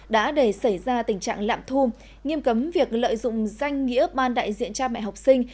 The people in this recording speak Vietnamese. đã để xảy ra tình trạng lạm thu nghiêm cấm việc lợi dụng danh nghĩa ban đại diện cha mẹ học sinh